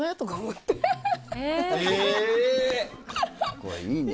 これいいね。